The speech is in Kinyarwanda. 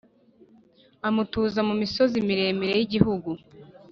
amutuza mu misozi miremire y’igihugu,